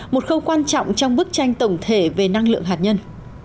một khâu quan trọng trong bức tranh tổng thể về năng lượng hạt nhân